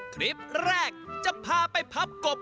คลิปแรกจะพาไปพับกบ